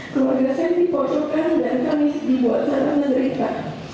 keluarga saya dipocokkan dan kami dibuat sangat menderita